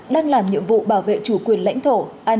đang làm nhiệm vụ bảo vệ chủ quyền lãnh thổ